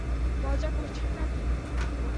মজা করছেন না-কি?